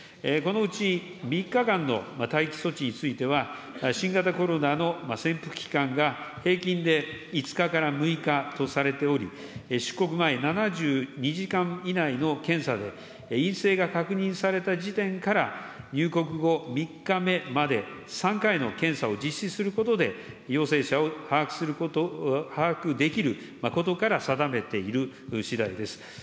このうち、３日間の待機措置については、新型コロナの潜伏期間が平均で５日から６日とされており、出国前７２時間以内の検査で陰性が確認された時点から入国後３日目まで、３回の検査を実施することで陽性者を把握できることから定めているしだいです。